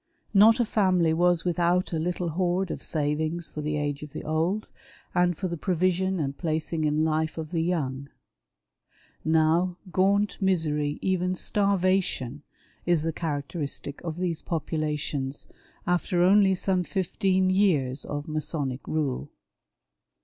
Not a family was without a little hoard of savings for the age of the old, and for the provision and placing in life of the young. Now, gaunt misery, even starvation, is the characteristic of these populations, after only some fifteen years of Masonic rule.